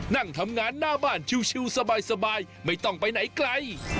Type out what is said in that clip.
นั่งทำงานหน้าบ้านชิวสบายไม่ต้องไปไหนไกล